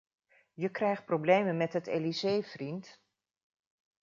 Je krijgt problemen met het Élysée, vriend!